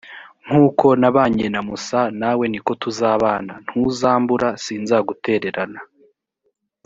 nk’uko nabanye na musa, nawe ni ko tuzabana; ntuzambura, sinzagutererana.